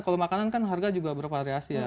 kalau makanan kan harga juga bervariasi ya